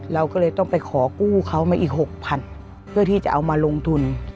เราก็เลยต้องไปขอกู้เขามาอีกหกพันเพื่อที่จะเอามาลงทุน